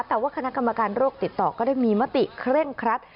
แต่ว่าคณะกรรมการโรคติดต่อก็ได้มีมติเคร่งครัด